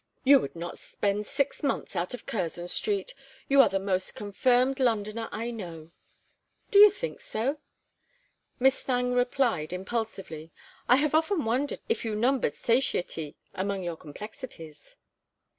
"You would not spend six months out of Curzon Street. You are the most confirmed Londoner I know." "Do you think so?" Miss Thangue replied, impulsively, "I have often wondered if you numbered satiety among your complexities!"